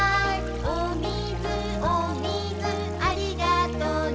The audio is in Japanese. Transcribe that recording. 「おみずおみずありがとね」